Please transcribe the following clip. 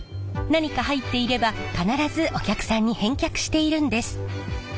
何か入っていれば必ずお客さんに返却しているんです。